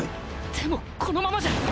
でもこのままじゃ！！